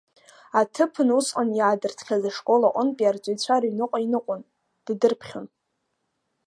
Аҭыԥан усҟан иаадыртхьаз ашкол аҟынтәи арҵаҩцәа рыҩныҟа иныҟәон, дадырԥхьон.